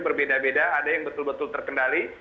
berbeda beda ada yang betul betul terkendali